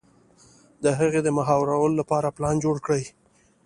د هغې د مهارولو لپاره پلان جوړ کړي.